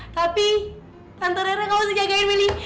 tapi tante rere nggak usah jagain meli